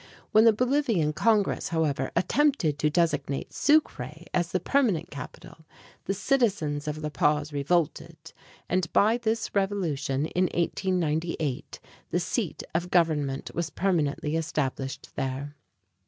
When the Bolivian Congress, however, attempted to designate Sucre as the permanent capital, the citizens of La Paz revolted; and by this revolution of 1898 the seat of government was permanently established there.